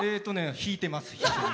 引いてます。